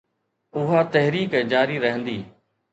اها تحريڪ جاري رهندي